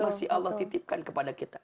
masih allah titipkan kepada kita